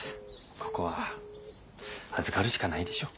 ここは預かるしかないでしょう。